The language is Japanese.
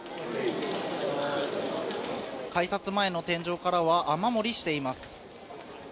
改札前の天井からは、雨漏りしています。